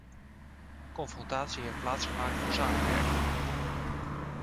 Confrontatie heeft plaatsgemaakt voor samenwerking.